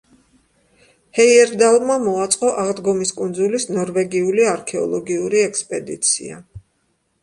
ჰეიერდალმა მოაწყო აღდგომის კუნძულის ნორვეგიული არქეოლოგიური ექსპედიცია.